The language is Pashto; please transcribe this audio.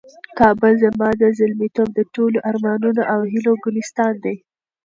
کابل زما د زلمیتوب د ټولو ارمانونو او هیلو ګلستان دی.